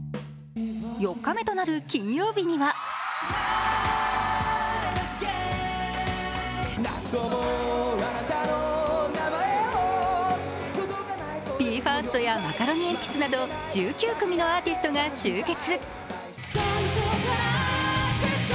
４日目となる金曜日にはＢＥ：ＦＩＲＳＴやマカロニえんぴつなど１９組のアーティストが集結。